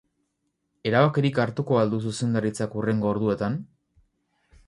Erabakirik hartuko al du zuzendaritzak hurrengo orduetan?